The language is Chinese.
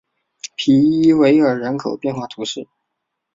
皮伊韦尔人口变化图示